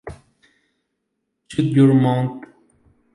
Shut Your Mouth.